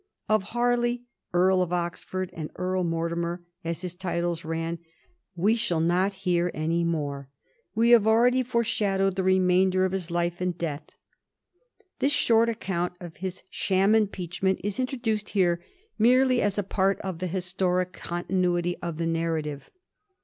Of Harley, * Earl of Oxford and Earl Mortimer,' as his titles ran, we shall not hear any more ; we have already foreshadowed the remainder of his life and his death. This short account of his sbain impeachment is introduced here merely as a ])urt of the historic continuity of the narrative.